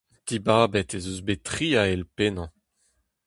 Dibabet ez eus bet tri ahel pennañ :